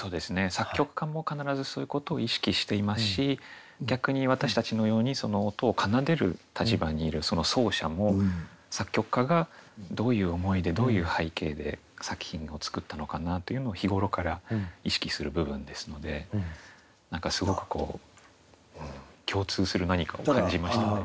作曲家も必ずそういうことを意識していますし逆に私たちのように音を奏でる立場にいる奏者も作曲家がどういう思いでどういう背景で作品を作ったのかなっていうのを日頃から意識する部分ですので何かすごく共通する何かを感じましたね。